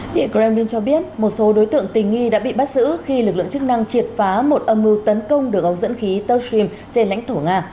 điện kremlin cho biết một số đối tượng tình nghi đã bị bắt giữ khi lực lượng chức năng triệt phá một âm mưu tấn công đường ống dẫn khí tech sriam trên lãnh thổ nga